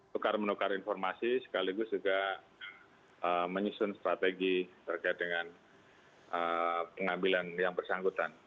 tukar menukar informasi sekaligus juga menyusun strategi terkait dengan pengambilan yang bersangkutan